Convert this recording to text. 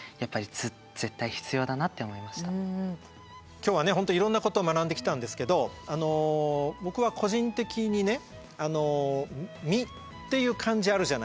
今日はね本当いろんなことを学んできたんですけどあの僕は個人的にね「身」っていう漢字あるじゃないですか。